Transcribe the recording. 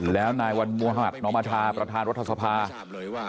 แล้วนายวันมนมประธานรัฐษภาษณ์